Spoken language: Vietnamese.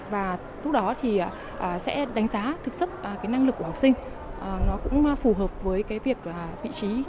và lúc đó thì sẽ đánh giá thực sức cái năng lực của học sinh nó cũng phù hợp với cái việc là vị trí đánh giá vị trí việc làm hiện tại